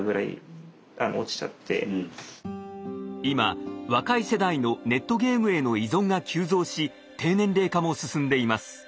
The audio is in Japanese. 今若い世代のネットゲームへの依存が急増し低年齢化も進んでいます。